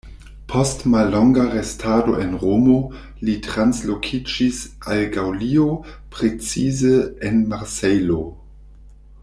Post mallonga restado en Romo, li translokiĝis al Gaŭlio, precize en Marsejlo.